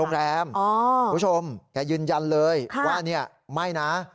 คุณผู้ชมแกยืนยันเลยว่าเนี่ยไม่นะ